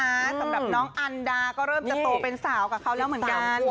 สำหรับน้องอันดาก็เริ่มจะโตเป็นสาวกับเขาจริง